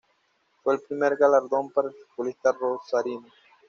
Fue el primer galardón para el futbolista rosarino.